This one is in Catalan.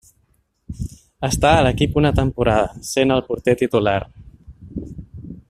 Està a l'equip una temporada, essent el porter titular.